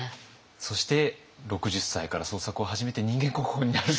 そして６０歳から創作を始めて人間国宝になる。